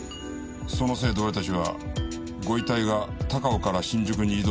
そのせいで俺たちはご遺体が高尾から新宿に移動したと錯覚した。